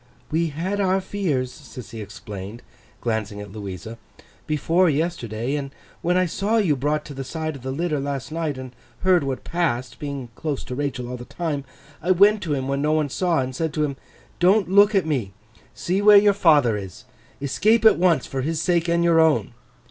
'We had our fears,' Sissy explained, glancing at Louisa, 'before yesterday; and when I saw you brought to the side of the litter last night, and heard what passed (being close to Rachael all the time), I went to him when no one saw, and said to him, "Don't look at me. See where your father is. Escape at once, for his sake and your own!"